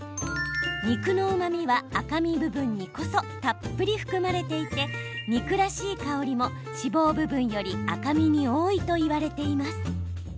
肉のうまみは、赤身部分にこそたっぷり含まれていて肉らしい香りも脂肪部分より赤身に多いといわれています。